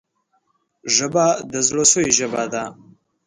ژبه د زړه سوي ژبه ده